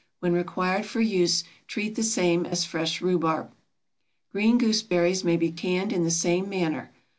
When required for use, treat the same as fresh rhubarb. Green gooseberries may be canned in the same manner.